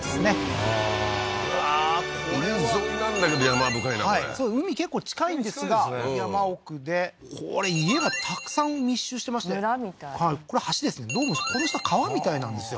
ああーうわーこれは海沿いなんだけど山深いなこれ海結構近いんですが山奥でこれ家がたくさん密集してまして村みたいはいこれ橋ですねどうもこの下川みたいなんですよ